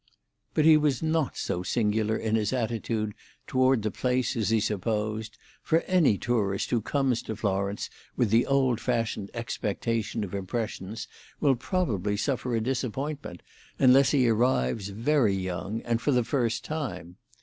But he was not so singular in his attitude toward the place as he supposed; for any tourist who comes to Florence with the old fashioned expectation of impressions will probably suffer a disappointment, unless he arrives very young and for the first time.